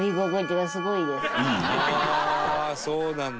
「あそうなんだ」